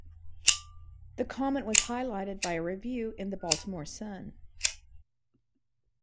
The comment was highlighted by a review in the "Baltimore Sun".